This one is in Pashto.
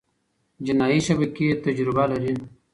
جنایي شبکې تجربه لري.